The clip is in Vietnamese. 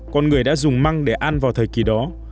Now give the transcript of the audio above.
con người đã dùng măng để ăn vào thời kỳ đó